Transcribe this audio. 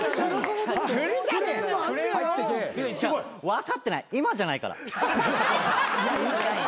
分かってない今じゃないから。